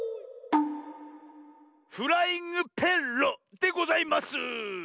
「フライングペッロ」でございます！